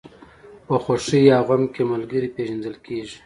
په خوښۍ او غم کې ملګری پېژندل کېږي.